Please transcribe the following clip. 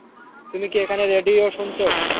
তুমি কি এখানে রেডিও শুনছো?